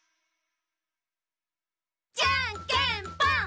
じゃんけんぽん！